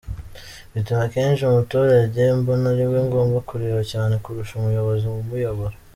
Bituma akenshi umuturage mbona ariwe ngomba kureba cyane kurusha umuyobozi umuyobora.